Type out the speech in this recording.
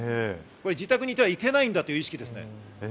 自宅にいてはいけないんだという意識ですね。